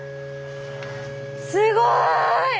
すごい！